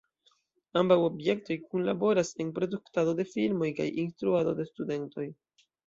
Ambaŭ objektoj kunlaboras en produktado de filmoj kaj instruado de studentoj.